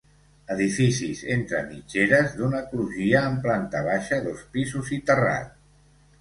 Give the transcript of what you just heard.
Edificis entre mitgeres d'una crugia, amb planta baixa, dos pisos i terrat.